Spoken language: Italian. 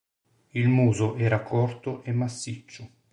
Il muso era corto e massiccio.